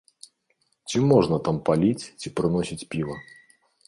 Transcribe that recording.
Ці можна там паліць ці прыносіць піва?